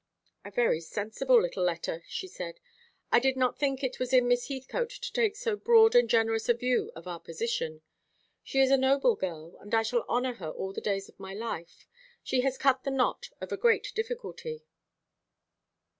"A very sensible little letter," she said. "I did not think it was in Miss Heathcote to take so broad and generous a view of our position. She is a noble girl, and I shall honour her all the days of my life. She has cut the knot of a great difficulty."